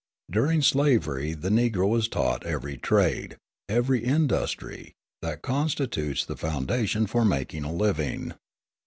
During slavery the Negro was taught every trade, every industry, that constitutes the foundation for making a living.